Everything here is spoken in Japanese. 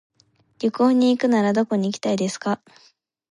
旅行に行くならどこに行きたいですか。